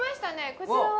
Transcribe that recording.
こちらは？